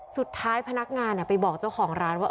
สุดท้ายพนักงานไปบอกเจ้าของร้านว่า